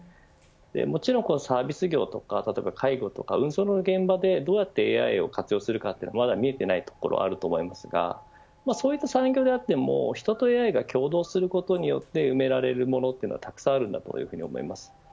もちろんサービス業とか介護とか運送の現場でどうやってＡＩを活用するかは見えていないところがありますがそういった産業であっても人とＡＩが協働することによって埋められるものはたくさんあるなと思います。